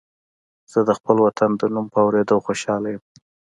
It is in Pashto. زه د خپل وطن د نوم په اورېدو خوشاله یم